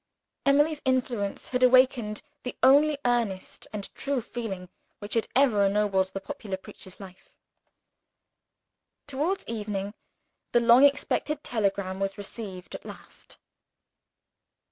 Emily's influence had awakened the only earnest and true feeling which had ever ennobled the popular preacher's life. Toward evening, the long expected telegram was received at last.